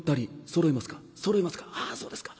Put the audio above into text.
そろいますか。